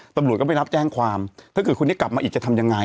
ตำรวจก็ไม่รับแจ้งความถ้าเกิดคนนี้กลับมาอีกจะทำยังไง